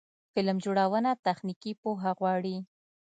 فلم جوړونه تخنیکي پوهه غواړي.